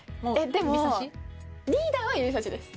でもリーダーは指さしです。